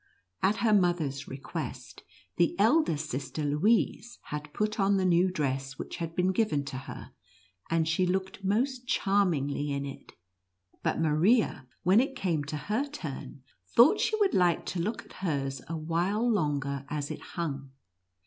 At her mother's request, the elder sister, Louise, had put on the new dress which had been given to her, and she looked most charm ingly in it, but Maria, when it came to her turn, thought she would like to look at hers a while longer as it hung.